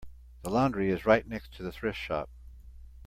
The laundry is right next to the thrift shop.